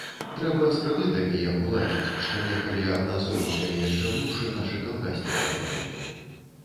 Трэба з крэдытамі як уладзіць, што некалі, аднаасобнікамі яшчэ быўшы, нашы калгаснікі бралі.